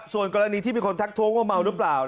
ส่วนกรณีที่มีคนทักท้วงว่าเมาหรือเปล่า